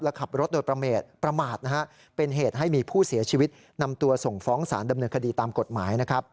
และขับรถโดยประมาทเป็นเหตุให้มีผู้เสียชีวิตนำตัวส่งฟ้องสารดำเนินคดีตามกฎหมายนะครับ